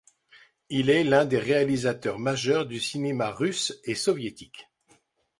Il est l'un des réalisateurs majeurs du cinéma russe et soviétique.